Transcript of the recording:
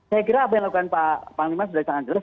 saya kira apa yang dilakukan pak panglima sudah sangat terus